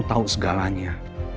aku tahu segalanya